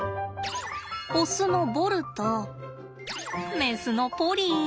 オスのボルとメスのポリー。